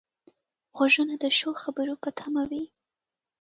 غوږونه د ښو خبرو په تمه وي